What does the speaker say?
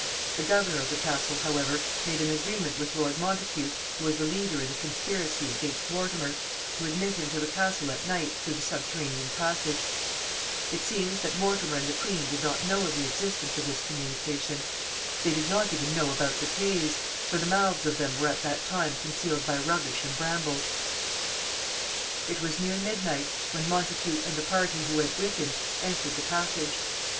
The governor of the castle, however, made an agreement with Lord Montacute, who was the leader in the conspiracy against Mortimer, to admit him to the castle at night through the subterranean passage. It seems that Mortimer and the queen did not know of the existence of this communication. They did not even know about the caves, for the mouths of them were at that time concealed by rubbish and brambles. [Illustration: CAVES IN THE HILL SIDE AT NOTTINGHAM CASTLE.] It was near midnight when Montacute and the party who went with him entered the passage.